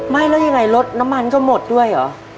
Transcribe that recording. ไม่แล้วยังไงรถน้ำมันก็หมดด้วยเหรอ